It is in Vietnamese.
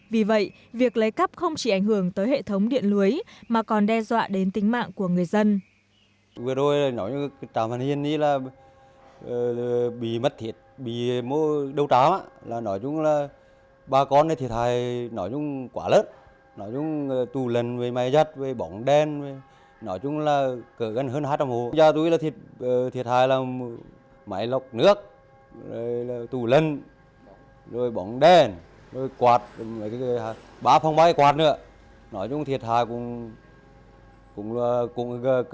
vì vậy việc lấy cắp không chỉ ảnh hưởng tới hệ thống điện lưới mà còn đe dọa đến tính mạng của người dân